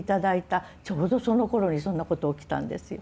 ちょうどそのころにそんなこと起きたんですよ。